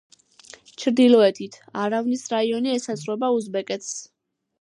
ჩრდილოეთით, არავნის რაიონი ესაზღვრება უზბეკეთს.